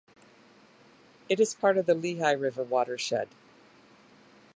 It is part of the Lehigh River watershed.